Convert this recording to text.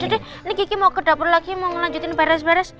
sudah ini kiki mau ke dapur lagi mau ngelanjutin beres beres